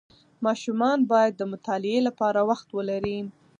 ماشومان باید د مطالعې لپاره وخت ولري.